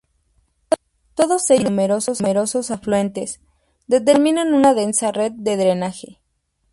Todos ellos y sus numerosos afluentes, determinan una densa red de drenaje.